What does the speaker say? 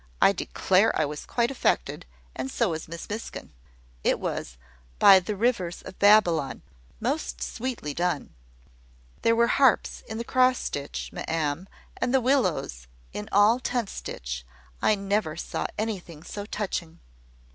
I declare I was quite affected, and so was Miss Miskin. It was `By the Rivers of Babylon,' most sweetly done! There were the harps all in cross stitch, ma'am, and the willows all in tent stitch I never saw anything so touching."